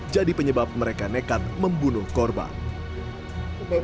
jadi penyebab mereka nekat membunuh korban